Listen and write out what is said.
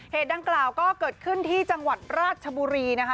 ดังกล่าวก็เกิดขึ้นที่จังหวัดราชบุรีนะคะ